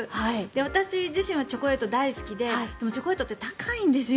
私自身はチョコレート大好きででもチョコレートって高いんですよ。